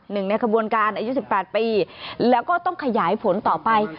ในขบวนการอายุ๑๘ปีแล้วก็ต้องขยายผลต่อไป